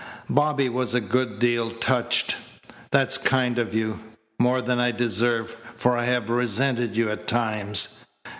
Bobby was a good deal touched. "That's kind of you more than I deserve, for I have resented you at times."